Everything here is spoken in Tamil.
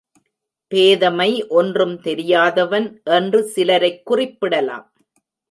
பேதைமை ஒன்றும் தெரியாதவன் என்று சிலரைக் குறிப்பிடலாம்.